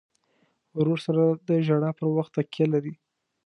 ورور سره د ژړا پر وخت تکیه لرې.